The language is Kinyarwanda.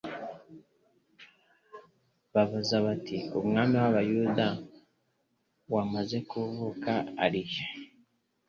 babaza bati: "Umwami w'Abayuda wamaze kuvuka ari he?